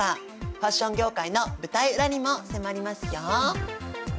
ファッション業界の舞台裏にも迫りますよ。